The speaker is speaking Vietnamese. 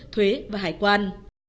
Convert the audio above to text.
thuế và hải quan